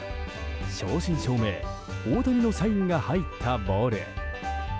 正真正銘、大谷のサインが入ったボール。